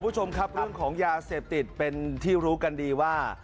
คุณผู้ชมครับเรื่องของยาเสพติดเป็นที่รู้กันดีว่า